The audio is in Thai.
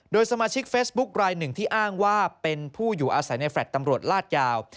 โดยสมาชิกเฟซบุ๊คลายหนึ่งที่อ้างว่าเป็นผู้อยู่อาศัยในแฟลต์ตำรวจลาดยาว